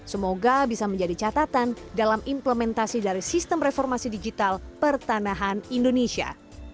semoga bisa menjadi catatan dalam implementasi dari sistem reformasi digital pertanahan indonesia